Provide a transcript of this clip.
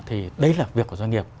thì đấy là việc của doanh nghiệp